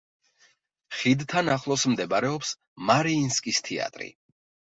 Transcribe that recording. ხიდთან ახლოს მდებარეობს მარიინსკის თეატრი.